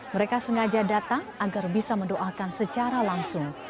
mereka sengaja datang agar bisa mendoakan secara langsung